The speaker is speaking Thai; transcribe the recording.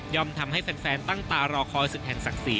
ทำให้แฟนตั้งตารอคอยศึกแห่งศักดิ์ศรี